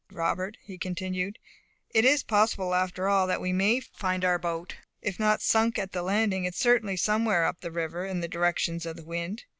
"Robert," he continued, "it is possible after all that we may find our boat. If not sunk at the landing, it is certainly somewhere up the river, in the direction of the wind.